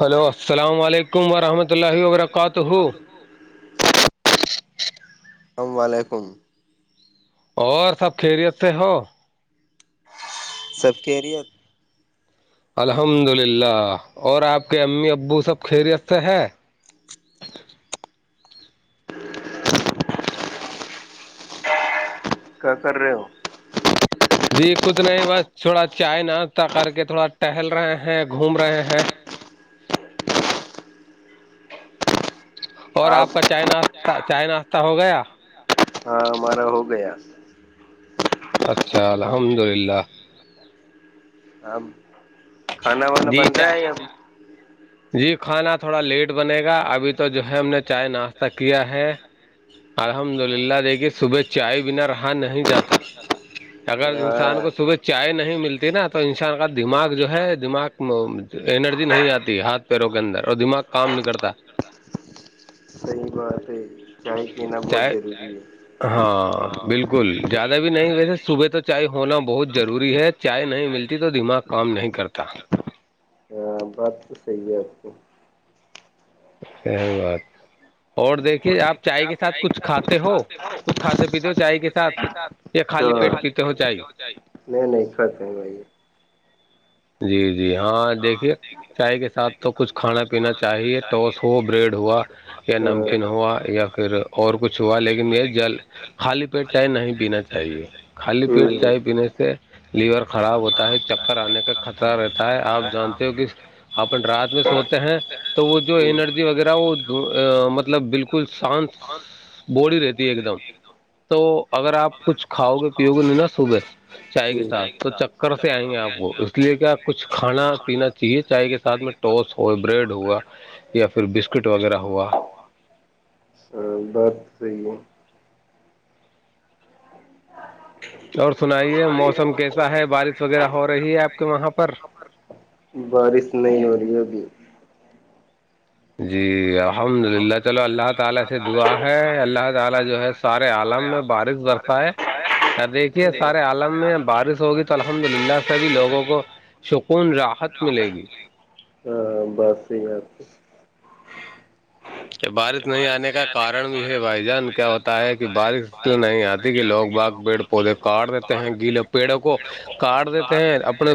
hello السلام علیکم ورحمۃ اللہ وبرکاتہ السلام علیکم اور سب خیریت سے ہو سب کیریر الحمد للہ اور آپ کے امی ابو سب خیریت سے ہے کیا کر رہے ہو جی کچھ نہیں بس تھوڑا چائے ناشتہ کر کے تھوڑا ٹہل رہے ہیں گھوم رہے ہیں اور آپ کا چائے ناشہ چائے ناشہ ہو گیا ہاں ہمارا ہو گیا اچھا الحمد للہ اب کھانا وانا جی بن رہا ہے چائے اب جی کھانا تھوڑا لیٹ بنے گا ابھی تو جو ہے ہم نے چائے ناشتہ کیا ہے الحمد للہ دیکھیے صبح چائے بنا رہا نہیں جاتا اگر انسان کو ہاں صبح چائے نہیں ملتی نا تو انسان کا دماغ جو ہے دماغ انرجی نہیں آتی ہاتھ پیروں کے اندر اور دماغ کام ن کرلتا صی بات ہے چائے پینا بہت چائے دیر لے ہاں بالکل زیادہ بھی نہیں ویسے صبح تو چائے ہونا بہت ضروری ہے چائے نہیں ملتی تو دماغ کام نہیں کرتا ہاں بات تو صحیح ہے آپ کو س بات اور دیکھیے آپ چائے کے ساتھ کچھ کھاتے ہو کچھ کھاتے پیتے ہو چائے کے ساتھ یہ تو خالی پیٹ پیتے ہو چاہے نہیں نہیں کھ پیں گا یہ جی جی ہاں دیکھیے چائے کے ساتھ تو کچھ کھانا پینا چاہیے ٹاس ہو بریڈ ہوا یا نمکین ہوا یا پھر اور کچھ ہوا لیکن یہ جل خالی پیٹ چائے نہیں پینا چاہیے خالی پیٹ چائے پینے سے لیور خراب ہوتا ہے چکر آنے کا رہتا ہے آپ جانتے ہو کہ اپن رات میں سوتے ہیں تو وہ جو انرجی وغیرہ وہ مطلب بالکل بکل شانت باڈی رہتی ہے ایک دم تو اگر آپ کچھ کھاؤ گے پیو گے نہیں نا صبح چائے کے ساتھ تو کرس سے آئیں گے آپ اس لیے کیا کچھ کھانا پینا چاہیے چائے کے ساتھ میں ٹوس ہو بریڈ ہوا یا پھر بسکٹ وغیرہ ہوا بہات صحی ہے اور سنائیے موسم کیسا ہے بارش وغیرہ ہو رہی ہے آپ کے وہاں پر بارش نہیں ہو رہی ہے ابھی جی الحمد للہ چلو اللہ تعالا سے دعا ہے اللہ تعالا جو ہے سارے عالم میں بارش برسہ ہے ادیک یہ سارے عالم میں بارش ہوگی تو الحمد للہ سبھی لوگوں کو سکون راحت ملے گی ہاں بس یہی بات کہ بارش نہیں آنے کا کارن بھی ہے بھائی جان کیا ہوتا ہے کہ بارش اس لیے نہیں آتی کہ لوگ باغ پیڑ پودے کاٹ دیتے ہیں گیلے پیڑوں کو کاٹ دیتے ہیں اپنے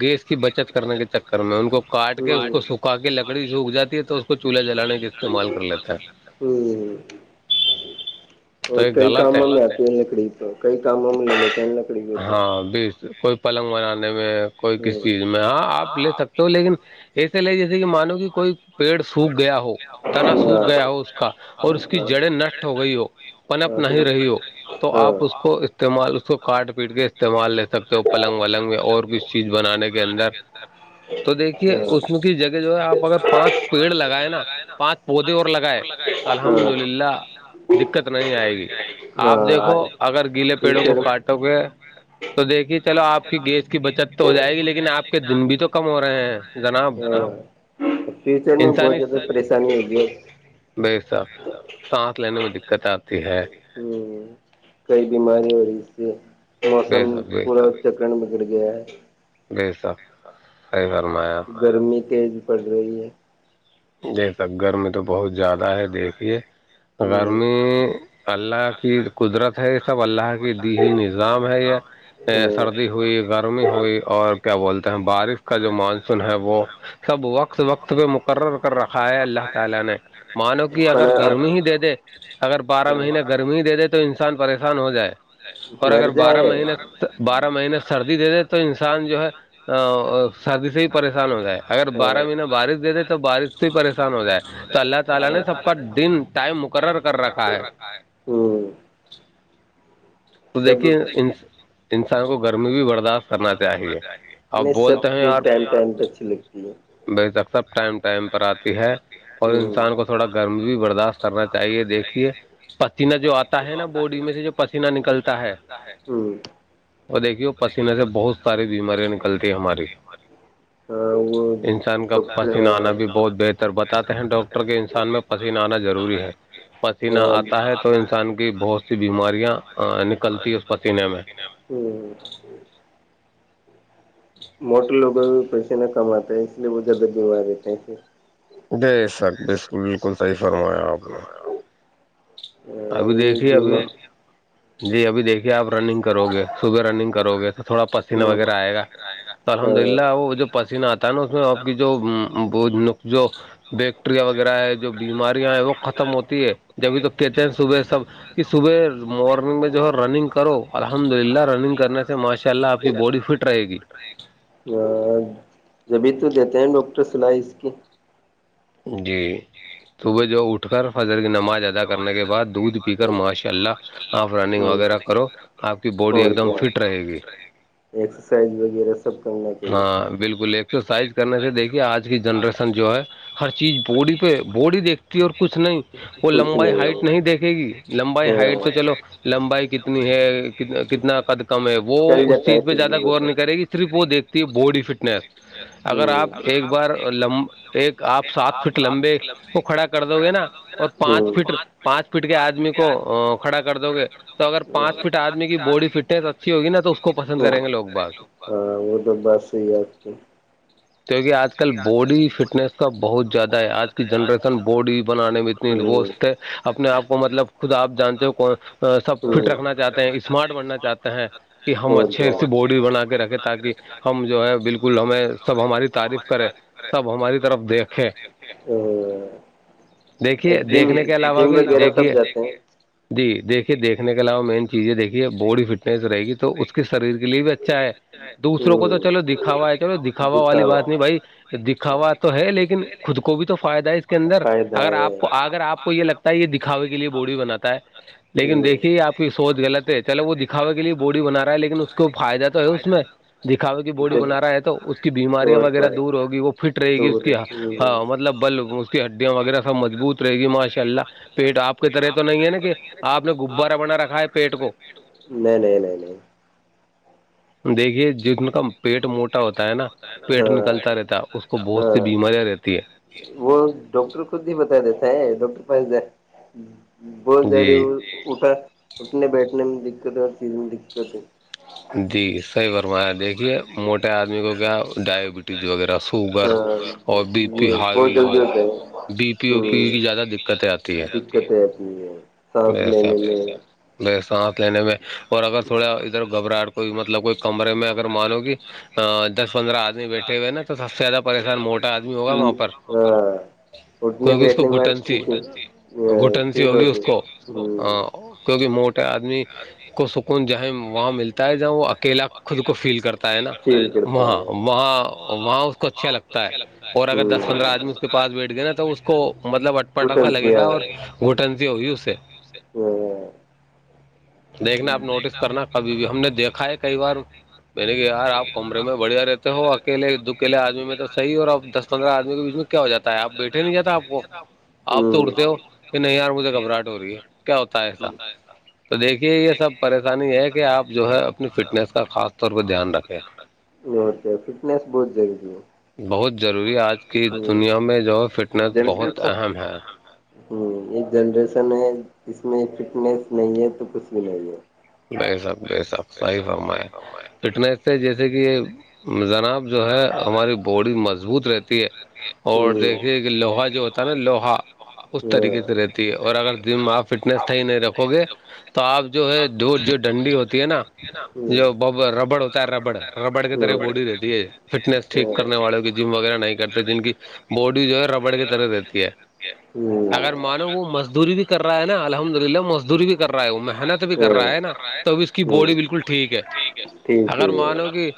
گیس اس کی بچت کرنے کے چکر میں ان کو کاٹ کے اس کو سکھا کے لکڑی سوکھ جات ہے تو کو چولہا جلانے کا استعمال کر لیتا ہے ہوں تو اور یہ کئی غلط کاموں ہے میں آتی ہے لکڑی تو کئی کاموں میں نہیں لیتے ہیں لکڑی کو تو ہاں بیس کوئی پلنگ بنانے میں کوئی کسی چیز میں ہاں آپ لے سکتے ہو لیکن ایسے لے جیسے کہ مانو کہ کوئی پیڑ سوکھ گیا ہو تنا سوکھ گیا ہو اس کا اور اس کی جڑیں نشٹ ہو گئی ہو پنپ نہیں رہی ہو تو آپ اس کو استعمال اس کو کارٹ پیٹ کے استعمال لے سکتے ہو پلنگ ولنگ میں اور ک چیز بنانے کے اندر [unintelligible] تو دیکھیے اس میں کی جگہ جو ہے آپ اگر پانچ پیڑ لگائے نا پانچ پودے اور لگائے تو الحمد للہ دقت نہیں آئے گی آپ دیکھو اگر گیلے پیڑوں کو کاٹو گے تو دیکھیے چلو آپ کی گیس کی بچت تو ہو جائے گی لیکن آپ کے دن بھی تو کم ہو رہے ہیں جناب فیوچر میں بہت انسانی زیادہ پریشانی ہو گئی ہے بے شک سانس لینے میں دقت آتی ہے ہوں کئی بیماری ہو رہی اس سے موسم بے شک بے پورا شک چکرن بکڑ گ ہے بے شک صحیح فرمایا گرمی تیز پڑ رہی ہے جیسک گرمی تو بہت زیادہ ہے دیکھیے ہوں گرمی اللہ کی قدرت ہے یہ سب اللہ کی دی ہوئی نظام ہے یہ سردی ہوئی گرمی ہوئی اور کیا بولتے ہیں بارش کا جو مانسون ہے وہ سب وقت وقت پہ مقرر کر رکھا ہے اللہ تعالا نے مانو کہ اگر گرمی ہی دے دے اگر بارہ مہینے گرمی ہی دے دے تو انسان پریشان ہو جائے اور اگر بارہ مہینے بارہ مہینے سردی دے دے تو انسان جو ہے سردی سے ہی پریشان ہو جائے اگر بارہ مہینہ بارش دے دے تو بارش پریشان ہو جائے تو اللہ تعالی نے سب کا دن ٹائم مقرر کر رکھا ہے ہوں تو سب دیکھیے ان انسان کو گرمی بھی برداشت کرنا چاہیے اپ نے بولتے ہیں یار ٹائم پہ اچھی لگتی ہے بے اکثر ٹائم ٹائم پر آتی ہے اور ہوں انسان کو تھوڑا گرم بھی برداشت کرنا چاہیے دیکھیے پسیینہ جو آتا ہے نا بوڈی میں سے جو پین نہیں مینہ نکلتا ہے ہاں اور دیکھیے پسینے سے بہت ساری بیماریاں نکلتی ہیں ہماری ہاں وہ انسان کا پسین آنا بھی بہت بہتر بتاتے ہیں ڈاکٹر کے انسان میں پسین آنا ضروری ہے پسیینہ ہے آتا ہے ہاں تو انسان کی بہت سی بیماریاں نکلتی ہے اس پسینے میں ہوں موٹر لوگوں بھی پیسے نہ کماتے ہے اس لیے وہ زیادہ بیمار رہتے ہیں ایے بے سک بالکل بالکل صحیح فرمایا آپ نے ابھی پھر یہ دیکھیے ابھی جی ابھی دیکھیے آپ رننگ کرو گے سب رننگ کرو گے تو تھوڑا پسیینہ وغیرہ آئے گا تو الحمد للہ وہ جو پسینہ آتا ہے نا اس میں آپ کی جو جو بیکٹیریا وغیرہ ہے جو بیماریاں ہے وہ ختم ہوتی ہے جبھی تو کہتے ہیں صبح سب کہ صبح مارنگ میں جو ہے رننگ کرو الحمد للہ رننگ کرنے سے ماشاء اللہ آپ کی باڈی فٹ رہے گی ہ جبھی تو دیتے ہیں ڈاکٹر سلائی اس کی جی صبح جو اٹھ اٹھ کر فضر کی نماز ادا کرنے کے بعد دودھ پی کر ماشاء اللہ آف رننگ وغیرہ کرو آپ کی باڈی ایک دم فٹ رہے گی ایکسرسائز وغیرہ سب کرنا چاہیے ہاں بالکل ایکسرسائز کرنے سے دیکھیے آج کی جنریشن جو ہے ہر چیز بوڈی پہ بوڈی دیکھتی ہے اور کچھ نہیں وہ کچھ لمبائی ہے ہائٹ نہیں دیکھے گی لمبائی ہائٹ تو چلو لمبائی کتنی ہے کتنا قد کم ہے وہ اس چیز پہ زیادہ غور نہیں کرے گی اسپ دیکھتی ہے باڈی فٹنس ہ اگر آپ ایک بار اللہ آپ سات فٹ لمبے کو کھڑا کر دو گے نا اور پانچ فٹ پانچ فٹ فٹ کے آدمی کو کھڑا کر دو گے تو اگر پانچ فٹ آدمی کی باڈی فٹنےس اچھا اچھی ہوگی نا تو اس کو پسند کریں گے لو باگ ہاں وہ تو بس ہیی آتی کیونکہ آج کل باڈی فٹنس کا بہت زیادہ ہے آج کی جنریشن بورڈ بھی بنانے میں اتنی ووست ہے اپنے آپ کو مطلب خود آپ جانتے ہو سب فٹ رکھنا چاہتے ہیں اسمارٹ بننا چاہتے ہیں کہ ہم اچھے سے بورڈ بھی بنا کے رکھے تاکہ ہم جو ہے بالکل ہمیں سب ہماری تعریف کرے سب ہماری طرف دیکھے ہ دیکھیے جم دیکھنے کے علاوہ جم بھی وغیرہ سب دیکھیے جاتے ہیں جی دیکھیے دیکنے کے علاوہ مین چیز یہ دیکھیے باڈی فٹنیس رہے گی تو اس کے شریر کے لیے بھی اچھا ہے دوسروں کو تو چلو دکھاوا ہے چلو دکھاوا والی بات نہیں بھائی دکھاوا تو ہے لیکن خود کو بھی تو فائدہ ہے اس کے اندر اگر ہے آپ کو اگر آپ کو یہ لگتا ہے یہ دکھاوے کے لیے بورڈی بناتا ہے لیکن ہوں دیکھیے آپ سوچ لط ہے چلو وہ دکھاوے لیے بورڈی بنا رہا ہے لیکن اس کو فائدہ تو ہے اس میں دکھاوے کی باڈی جب بنا رہا ہے تو اس کی بیماریاں اور وغیرہ کیا دور ہوگی وہ فٹ رہے گی اس دور کی نہیں ہاں مطلب بل اس کی ہڈیاں وغیرہ سب مضبوط رہے گی ماشاء اللہ پیٹ آپ کی طرح تو نہیں ہے نا کہ آپ نے غبارہ بنا رکھا ہے پیٹ کو نہیں نہیں نہیں نہیں دیکھیے جن کا پیٹ موٹ ہوتا ہے نا پیٹ نکلتا ہاں رہتا ہے اس کو بہت سی ہاں بیماریاں رہتی ہیں وہ ڈاکٹر خود نہیں بتا دیتا ہے ڈاکٹر پاس بہت ج رہے جی اٹھا اٹھنے بیٹھنے میں دقت ہے اور چیز میں دقت ہے جی صحیح برمایا دیکھیے موٹے آدمی کو کیا ڈائبٹیز وغیرہ سوگر اور بی پی ہائی یہ بہت جلدی لو ہوتا بی پی او پی کی زیادہ دقتیں آتی ہے کس اپ ویس وس سانس لینے میں اور اگر تھوڑا ادھر گھبراہٹ کوئی مطلب کوئی کمرے میں اگر مانو کہ دس پندرہ آدمی بیٹھے ہوئے نا تو سب سے زیادہ پریشان موٹا آدمی ہوگا وہاں پر ہاں اٹنے کیونکہ اس کو بیٹنی مار گھٹن سی کسی فل ہوتی ا کیونکہ موٹے آدمی آ نہیں ج ہے وہاں ملتا ہے جہ وہ اکیلا خود کو فیل کرتا ہے نا فیل کرتا وہاں ہے وہاں وہاں اس کو اچھا لگتا ہے اور اگر ہوں دس پندرہ آدمی اس کے پاس بیٹھ گئے نا تو اس کو مطلب اٹپٹا گھٹن سا سی لگے ہے گا اور گوٹنی ہوی سے ہ دیکھنا آپ نوٹس کرنا کبھی بھی ہم نے دیکھا ہے کئی بار میں نے کہ یار آپ کمرے میں بڑھیا رہتے تو ہو اکیے دوکیل آدمی میں توح اوربس پندرہ آدمی کے بیچ میں کیا ہو جاتا ہے آپ بیٹھے نہیں جاتا آپ کو آپ ہوں تو اٹتے ہو کہ نہیں یار مجھے گھبراہٹ ہو رہی ہے کیا ہوتا ہے ایسا تو دیکھیے یہ سب پریشانی ہے کہ آپ جو ہے اپنی فٹنیس کا خاص طور پہ دھیان رکھیں یہ ہوتا فٹنیس بہت جگی ہے بہت ضروری آج کی دنیا میں جو ہے فٹنس جن سے بہت اہم ہے ہوں ایک جنریشن ہے اس میں فٹنیس نہیں ہے تو کچھ بھی نہیں ہے نہیں سب بے سک ص ہی فم ہے فٹنیس سے جیسے کہ جناب جو ہے ہماری باڈی مضبوط رہتی ہے ہوں اور دیکھیے کہ لوہا جو ہوتا ہے نا لوہا اس طریقے سے رہتی ہے اور اگر جم آپ فٹنیس ص ہی نہیں رکھو گے تو آپ جو ہے جو جو ڈنڈی ہوتی ہے نا جو ب ربڑ ہوتا ہے ربڑ ربڑ کی طرح بوڈی رہ دیے فٹنس ٹھیک کرنے والوں کی جم وغیرہ نہیں کرتے جن کی باڈی جو ہے ربڑ کی طرح رہتی ہے ہوں اگر مانو وہ مزدوری بھی کر رہا ہے نا الحمد للہ مزدوری بھی کر رہا ہے وہ محنت بھی کر رہا ہے نا توب اس کی باڈی بالکل ٹھیک ہے ٹھیک اگر ہے مانو کہ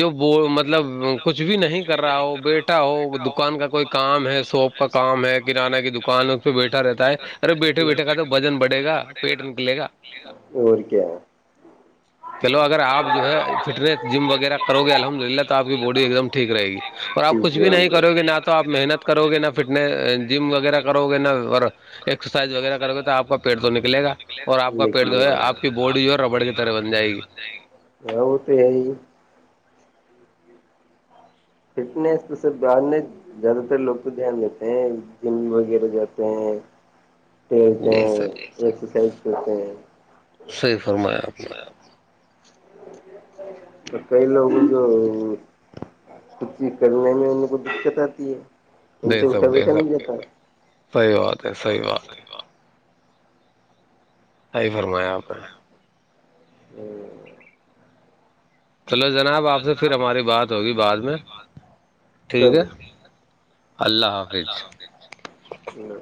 جو ب مطلب کچھ بھی نہیں کر رہا ہو بیٹھا ہو دکان کا کوئی کام ہے سوپ کا کام ہے کانہ کی دکان ہے اس پہ بیٹھا رہتا ہے ارے بیٹھے بیٹھے کا تو وزن بڑے گا پیٹ نکلے گا ور کیا چلو اگر مطلب ہے جم وغیرہ کرو گے الحمد للہ تو کی باڈی ایک دم ٹھیک رہے گی آپ جو ہے فٹنیس جم وغیرہ کرو گے الحمد للہ تو آپ کی باڈی ایک دم ٹھیک رہے گی اور آپ کچھ بھی نہیں کرو گے نہ تو آپ محنت کرو گے نہ فٹس جم وغیرہ کرو گے نہا اور ایکسرسائز وغیرہ کرو گے تو آپ کا پیٹ تو نکلے گا اور آپ کا پیٹ جو ہےپ کی بورڈی جو ہے ربڑ کی طرح بن جائے گی وہ وہ تو ہےی فٹنیس تور ب زیادہ تر لوگ کو دھیان دیتے ہیں جم وغیرہ جاتے ہیں کھیلتے جی ہیں سر ایکسرسائز کرتے ہیں صحیح فرمایاپ نے تو کئی لوگوں جو ک چی کرنے میں ان کو دقت آتی ہے ان بے سے اٹھا شک بے بیٹھا نہیں شک جاتتا صحیح بات ہے صحیح بات ہے آائی فرمایا آپ نے ہوں چلو جناب آپ سے پھر ہماری بات ہوگی بعد میں ٹھیک ہے اللہ حافظ ہوں